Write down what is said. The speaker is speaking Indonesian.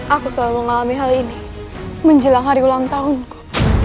aku selalu mengalami hal ini menjelang hari ulang tahunku